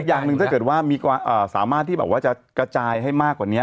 และอย่างหนึ่งถ้าเกิดว่าสามารถที่จะกระจายให้มากกว่านี้